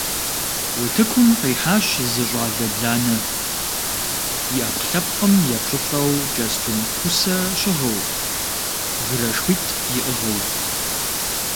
Утыкум къихьащ зы щӏалэ бланэ, и ӏэпкълъэпкъым епщӏылӏэу кӏэстум кусэ щыгъыу, гырэшхуитӏ иӏыгъыу.